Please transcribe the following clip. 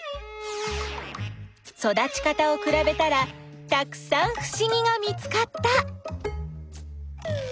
育ち方をくらべたらたくさんふしぎが見つかった！